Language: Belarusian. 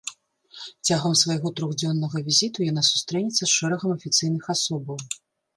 Цягам свайго трохдзённага візіту яна сустрэнецца з шэрагам афіцыйных асобаў.